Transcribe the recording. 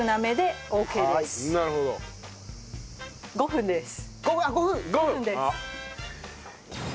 ５分です。